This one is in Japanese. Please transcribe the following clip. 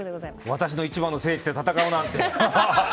私の一番の聖地で戦うなんて！